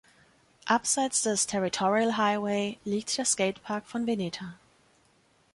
Abseits des Territorial Highway liegt der Skatepark von Veneta.